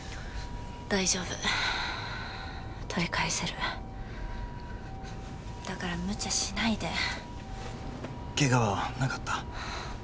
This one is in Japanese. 大丈夫取り返せるだからむちゃしないでケガはなかった？